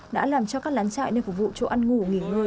đã làm cho các lán chạy nơi phục vụ chỗ ăn ngủ nghỉ ngơi